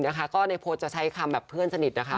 แล้วก็ในโพสต์ใช้คำเพื่อนสนิทนะคะ